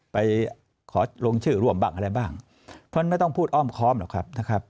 ไปขอลงชื่อร่วมบ้างอะไรบ้างเพราะฉะนั้นไม่ต้องพูดอ้อมค้อมหรอกครับนะครับ